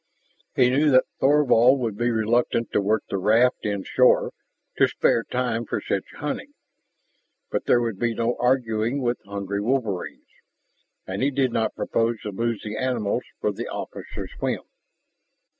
He knew that Thorvald would be reluctant to work the raft in shore, to spare time for such hunting. But there would be no arguing with hungry wolverines, and he did not propose to lose the animals for the officer's whim.